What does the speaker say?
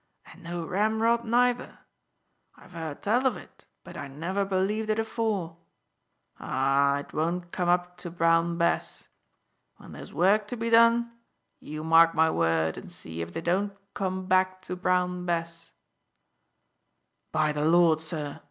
And no ramrod neither! I've heard tell of it, but I never believed it afore. Ah! it won't come up to brown Bess. When there's work to be done, you mark my word and see if they don't come back to brown Bess." "By the Lord, sir!"